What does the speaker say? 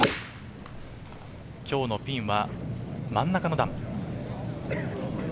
今日のピンは真ん中の段。